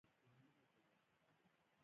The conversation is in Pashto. د پیرودونکي نظر ته غوږ نیول، د باور کلي ده.